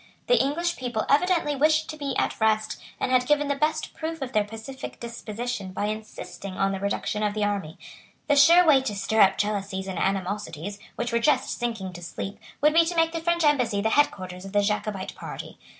The English people evidently wished to be at rest, and had given the best proof of their pacific disposition by insisting on the reduction of the army. The sure way to stir up jealousies and animosities which were just sinking to sleep would be to make the French embassy the head quarters of the Jacobite party.